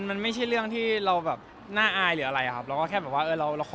มันไม่ใช่เรื่องที่เราแบบน่าอายหรืออะไรครับ